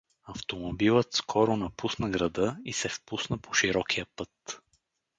Автомобилът скоро напусна града и се впусна по широкия път.